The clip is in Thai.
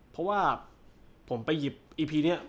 เพราะว่าผมไปหยิบอีพีนี้